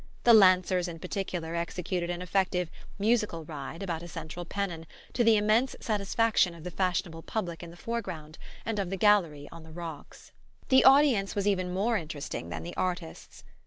The lancers, in particular, executed an effective "musical ride" about a central pennon, to the immense satisfaction of the fashionable public in the foreground and of the gallery on the rocks. The audience was even more interesting than the artists.